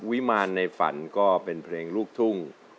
วิมารในฝันก็เป็นเพลงลูกทุ่ง